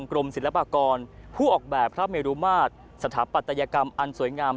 กรมศิลปากรผู้ออกแบบพระเมรุมาตรสถาปัตยกรรมอันสวยงาม